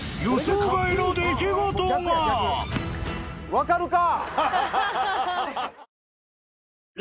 分かるか！